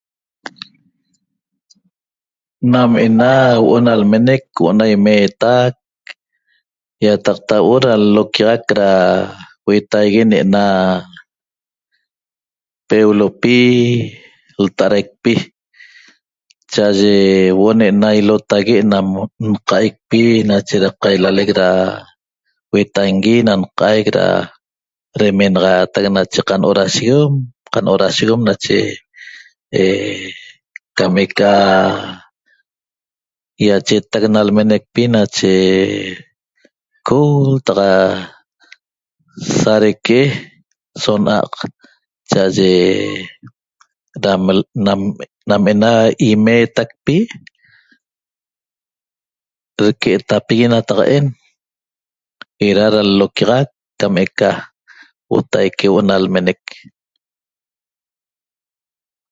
Nam ena huo'o na lmenec huo'o na imeetac ýataqta huo'o da l-loquiaxac da huetaigui ne'ena peulopi lta'adaicpi cha'aye huo'o ne'ena ilotague' nam nqa'aicpi nache da qailalec da huetangui na nqaic da demenaxaatac nache qanoracion qanoracion nache cam eca ýachetac na lmenecpi nache cou taq sa deque'e so na'a'q cha'aye nam ena imeetacpi deque'etapigui nataqa'en eda da l-loquiaxac cam eca huotaique que'eca lmenec